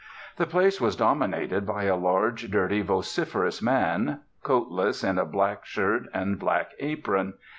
The place was dominated by a large, dirty, vociferous man, coatless, in a black shirt and black apron.